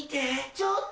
ちょっと！